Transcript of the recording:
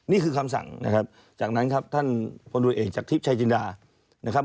นี่คือคำสั่งนะครับจากนั้นครับท่านพลตรวจเอกจากทิพย์ชายจินดานะครับ